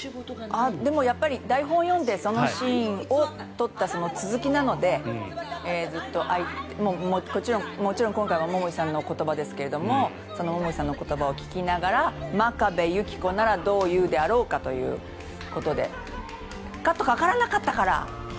でも、やっぱり台本を読んでそのシーンを撮った続きなのでもちろん今回は桃井さんの言葉ですが桃井さんの言葉を聞きながら真壁有希子ならどう言うであろうかということでカットかからなかったから。